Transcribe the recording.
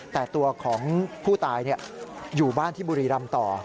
แต่ตัวของผู้ตายอยู่บ้านที่บุรีรำต่อ